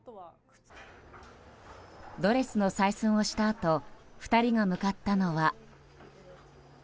ドレスの採寸をしたあと２人が向かったのは。